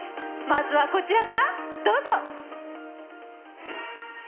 まずはこちらから、どうぞ。